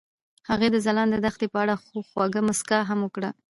هغې د ځلانده دښته په اړه خوږه موسکا هم وکړه.